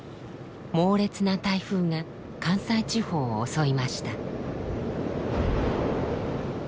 猛烈な台風が関西地方を襲いました。